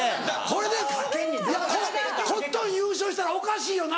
これでコットン優勝したらおかしいよな？